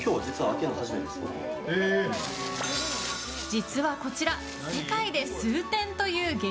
実はこちら、世界で数点という激